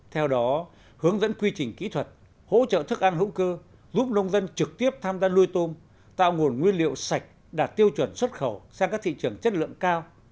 theo đó hướng dẫn quy trình kỹ thuật hỗ trợ thức ăn hữu cơ giúp nông dân trực tiếp tham gia nuôi tôm tạo nguồn nguyên liệu sạch đạt tiêu chuẩn xuất khẩu sang các thị trường chất lượng cao